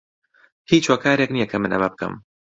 هیچ هۆکارێک نییە کە من ئەمە بکەم.